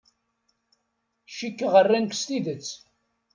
Cikkeɣ ran-k s tidet.